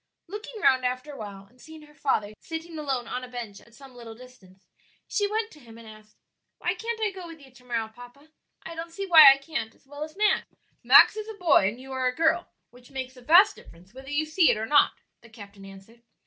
Looking round after a while, and seeing her father sitting alone on a bench at some little distance, she went to him and asked, "Why can't I go with you to morrow, papa? I don't see why I can't as well as Max." "Max is a boy and you are a girl, which makes a vast difference whether you see it or not," the captain answered.